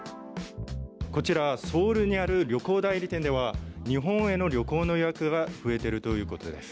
こちらソウルにある旅行代理店では日本への旅行の予約が増えているということです。